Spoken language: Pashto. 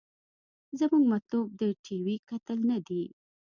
زمونګه مطلوب د ټي وي کتل نه دې.